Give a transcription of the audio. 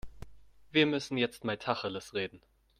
Wir müssen jetzt mal Tacheles reden.